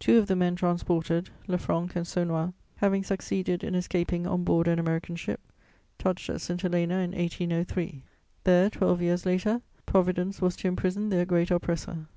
Two of the men transported, Lefranc and Saunois, having succeeded in escaping on board an American ship, touched at St. Helena in 1803: there, twelve years later, Providence was to imprison their great oppressor.